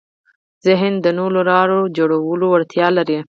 ذهن د نوو لارو جوړولو وړتیا لري.